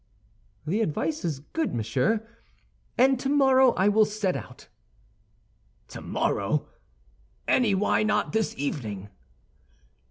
"The advice is good, monsieur, and tomorrow I will set out." "Tomorrow! Any why not this evening?"